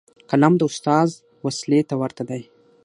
قلم د استاد وسلې ته ورته دی.